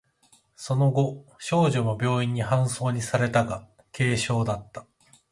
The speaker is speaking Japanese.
その後、少女も病院に搬送されたが、軽傷だった。